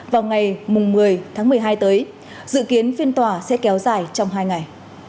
vào ngày một mươi tháng một mươi hai tới dự kiến phiên tòa sẽ kéo dài trong hai ngày